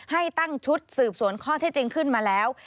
ให้ตั้งชุดสืบสวนข้อที่จริงขึ้นมาแล้ว